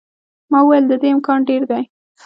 ما وویل، د دې امکان ډېر دی.